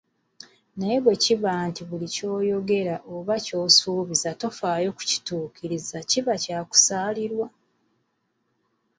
Naye bwe kiba nti buli ky'oyogera oba ky'osuubiza tofaayo kukituukiriza kya kusaalirwa!